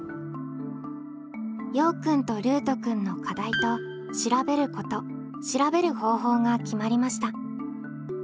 ようくんとルートくんの「課題」と「調べること」「調べる方法」が決まりました。